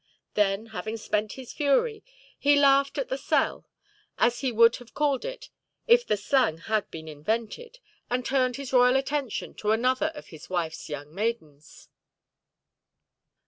Then having spent his fury, he laughed at the "sell", as he would have called it if the slang had been invented, and turned his royal attention to another of his wifeʼs young maidens.